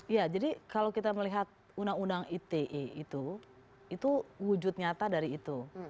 iya jadi kalau kita melihat undang undang ite itu itu wujud nyata dari itu